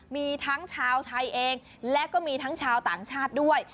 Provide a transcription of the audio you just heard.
มีทั้งชาวไทยเองและก็มีทั้งชาวต่างชาติด้วย